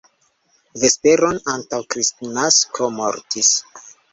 Vesperon antaŭ Kristnasko mortis.